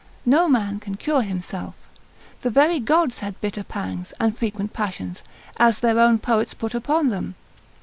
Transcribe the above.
No man can cure himself; the very gods had bitter pangs, and frequent passions, as their own poets put upon them.